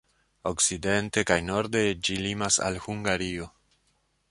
Okcidente kaj norde ĝi limas al Hungario.